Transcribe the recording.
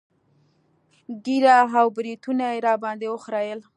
ږيره او برېتونه يې راباندې وخرييل.